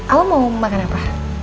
al mau makan apa